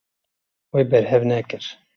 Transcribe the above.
Wê berhev nekir.